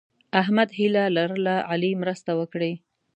احمد هیله لرله علي مرسته وکړي.